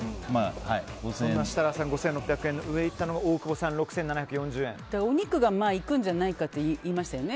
そんな設楽さん、５６００円の上をいったのがお肉がいくんじゃないかと言いましたよね。